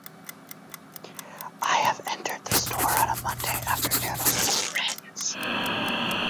I have entered the store on a monday afternoon with my friends.